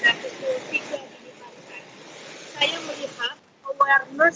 yang ini kita lihat banyak sekali pada situ di bibir pantai